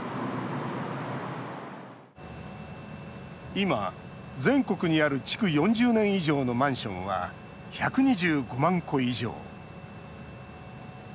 今、全国にある築４０年以上のマンションは１２５万戸以上。